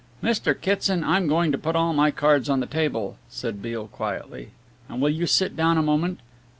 "Mr. Kitson, I'm going to put all my cards on the table," said Beale quietly, "will you sit down a moment?